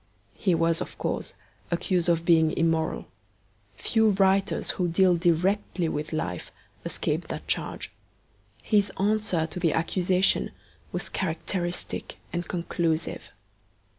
He was, of course, accused of being immoral. Few writers who deal directly with life escape that charge. His answer to the accusation was characteristic and conclusive.